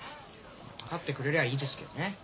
わかってくれりゃいいですけどね。